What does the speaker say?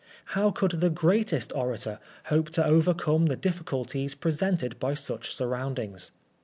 How could the greatest orator hope to overcome the difficulties presented by such surroundings